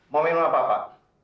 mau minum apa pak